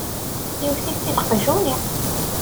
Yewwet-itt-id qjuni!